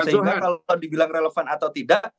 sehingga kalau dibilang relevan atau tidak